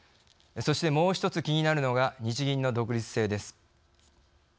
そして、もう一つ気になるのが日銀の独立性です。